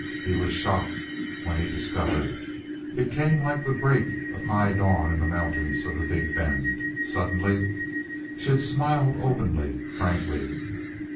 He was shocked when he discovered. It came like the break of high dawn in the mountains of the Big Bend. Suddenly she had smiled openly, frankly.